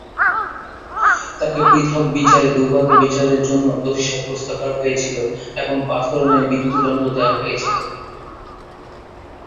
তাকে পৃথক বিচারে দুবার ব্যভিচারের জন্য দোষী সাব্যস্ত করা হয়েছিল এবং পাথর মেরে মৃত্যুদণ্ড দেওয়া হয়েছিল।